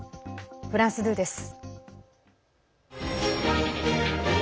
フランス２です。